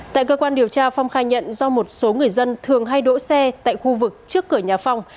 tại cơ quan điều tra phong khai nhận do một số người dân thường hay đỗ xe tại khu vực trước cửa nhà phong